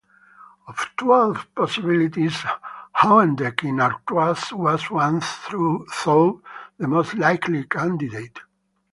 Of twelve possibilities, Houdenc in Artois was once thought the most likely candidate.